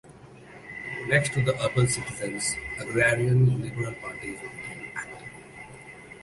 Next to the urban citizens, agrarian liberal parties became active.